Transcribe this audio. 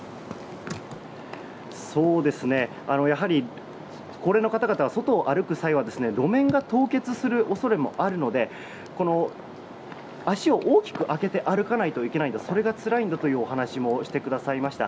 やはり高齢の方々は外を歩く際は路面が凍結する恐れもあるので足を大きく開けて歩かないといけないとそれがつらいんだというお話もしてくださいました。